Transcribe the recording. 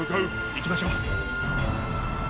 行きましょう。